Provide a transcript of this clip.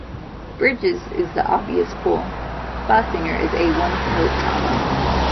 Bridges is the obvious pull; Basinger is a one-note trauma.